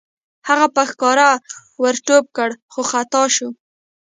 هغه په ښکار ور ټوپ کړ خو خطا شو.